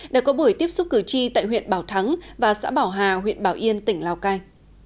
đã có buổi tiếp xúc cử tri tại huyện bảo thắng và xã bảo hà huyện bảo yên tỉnh lào cai